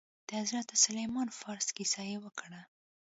د حضرت سلمان فارس کيسه يې وکړه.